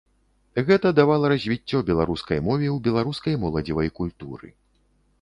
Гэта давала развіццё беларускай мове ў беларускай моладзевай культуры.